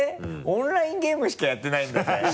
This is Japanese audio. オンラインゲームしかやってないんだぜ？